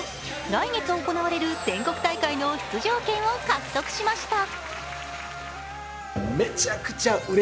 来月行われる全国大会の出場権を獲得しました。